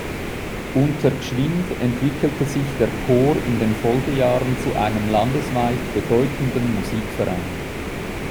Unter Gschwind entwickelte sich der Chor in den Folgejahren zu einem landesweit bedeutenden Musikverein.